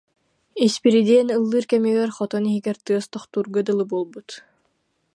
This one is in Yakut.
Испирдиэн ыллыыр кэмигэр хотон иһигэр тыас тохтуурга дылы буолбут